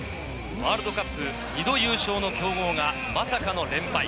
ワールドカップ２度優勝の強豪がまさかの連敗。